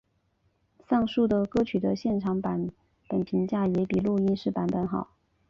上述的歌曲的现场版本评价也比录音室版本好。